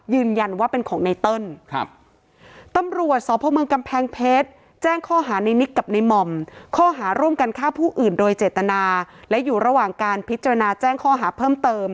ยืนยันว่าเป็นของในเติ้ลครับตำรวจสอบพวกเมืองกำแพงเพชร